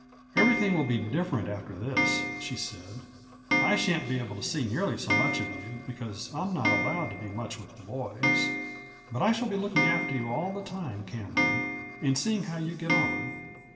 "Every thing will be different after this," she said ;" I sha'n't be able to see nearly so much of you, because I'm not allowed to be much with the boys. But I shall be look ing after you all the time, Cameron, and seeing how you get on.